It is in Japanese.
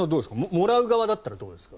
もらう側だったらどうですか？